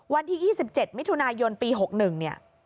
วันที่๒๗มิถุนายนปี๖๑เนี่ย